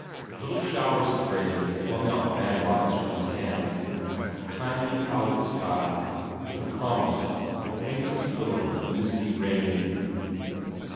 Little showers of corn flung out fanwise from his hand; a kindly clouded sky, with a promise of the faintest little misty rain.